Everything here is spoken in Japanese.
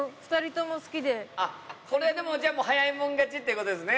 これでもじゃあ早い者勝ちってことですね。